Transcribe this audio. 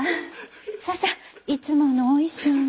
ささっいつものお衣装に。